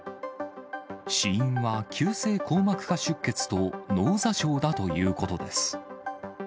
死因は急性硬膜下出血と脳挫傷だということです。